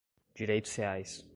direitos reais